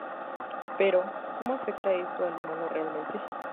Pero, ¿cómo afecta esto al humano realmente?